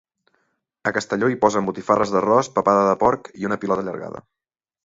A Castelló hi posen botifarres d’arròs, papada de porc i una pilota allargada.